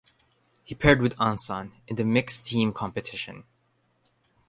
He paired with An San in mixed team competition.